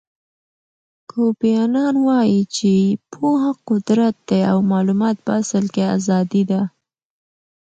کوفی انان وایي چې پوهه قدرت دی او معلومات په اصل کې ازادي ده.